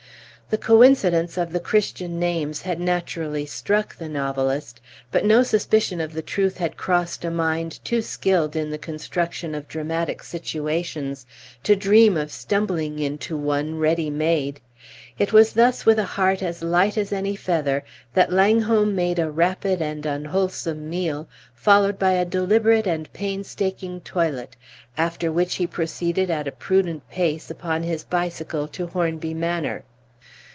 The coincidence of the Christian names had naturally struck the novelist, but no suspicion of the truth had crossed a mind too skilled in the construction of dramatic situations to dream of stumbling into one ready made. It was thus with a heart as light as any feather that Langholm made a rapid and unwholesome meal, followed by a deliberate and painstaking toilet, after which he proceeded at a prudent pace upon his bicycle to Hornby Manor.